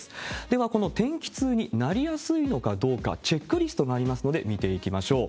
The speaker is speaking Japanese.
では、この天気痛になりやすいのかどうか、チェックリストがありますので、見ていきましょう。